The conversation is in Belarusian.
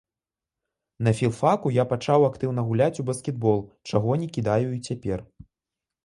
На філфаку я пачаў актыўна гуляць у баскетбол, чаго не кідаю і цяпер.